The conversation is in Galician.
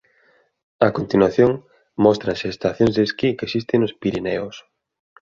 A continuación móstranse as estacións de esquí que existen nos Pireneos.